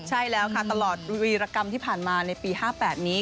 ใช่แล้วค่ะตลอดวีรกรรมที่ผ่านมาในปี๕๘นี้